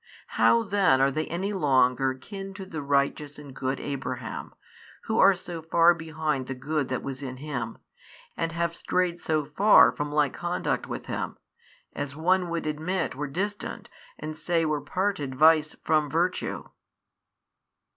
How then are they any longer kin to the righteous and good Abraham, who are so far behind the good that was in him, and have strayed so far from like conduct with him, as one would admit were distant and say were parted vice from virtue?